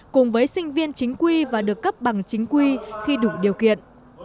cùng với sinh viên chính quy và được cấp bằng chính quy khi đủ điều kiện